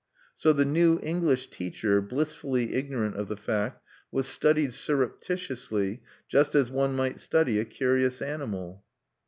So the new English teacher, blissfully ignorant of the fact, was studied surreptitiously, just as one might study a curious animal!